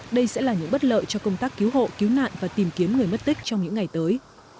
đây sẽ là những bất lợi cho công tác cứu hộ cứu nạn và tìm kiếm người mất tích trong những ngày tới